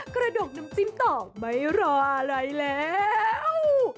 กระดกน้ำจิ้มต่อไม่รออะไรแล้ว